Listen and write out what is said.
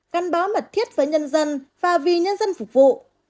gắn bó mật thiết với nhân dân và vì nhân dân phục vụ